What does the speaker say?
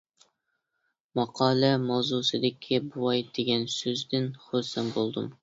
ماقالە ماۋزۇسىدىكى «بوۋاي» دېگەن سۆزدىن خۇرسەن بولدۇم.